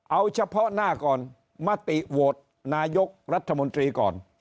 เอาเฉพาะหน้าก่อนมติโหวตนายกรัฐมนตรีก่อน